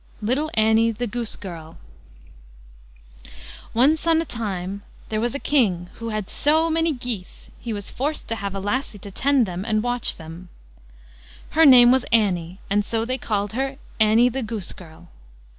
LITTLE ANNIE THE GOOSE GIRL Once on a time there was a King who had so many geese he was forced to have a lassie to tend them and watch them; her name was Annie, and so they called her "Annie the Goose girl".